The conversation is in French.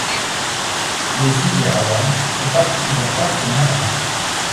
Les îles Derawan font partie d'un parc marin.